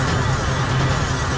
aku mau kesana